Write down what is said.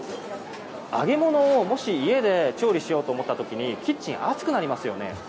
揚げ物を家で調理しようとした時にキッチンが暑くなりますよね。